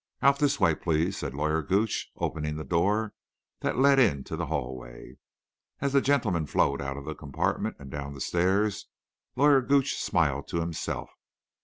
"Out this way, please," said Lawyer Gooch, opening the door that led into the hallway. As the gentleman flowed out of the compartment and down the stairs, Lawyer Gooch smiled to himself.